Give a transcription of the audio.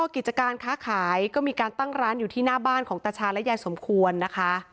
กิจการค้าขายก็มีการตั้งร้านอยู่ที่หน้าบ้านของตาชาและยายสมควรนะคะ